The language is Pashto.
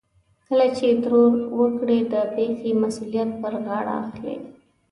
کله چې ترور وکړي د پېښې مسؤليت پر غاړه اخلي.